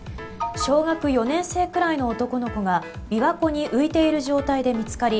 小学４年生くらいの男の子が琵琶湖に浮いている状態で見つかり